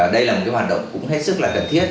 đây là một hoạt động cũng hết sức là cần thiết